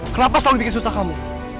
kenapa selalu bikin susah kamu